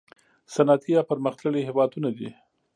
صنعتي یا پرمختللي هیوادونه دي.